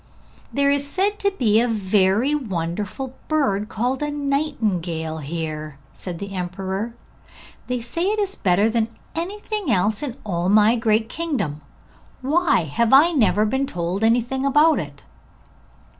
'There is said to be a very wonderful bird called a nightingale here,' said the emperor. 'They say that it is better than anything else in all my great kingdom! Why have I never been told anything about it?'